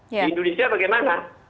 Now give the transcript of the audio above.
di indonesia bagaimana